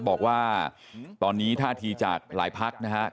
บอกว่าตอนนี้ท่าทีจากหลายพักนะฮะ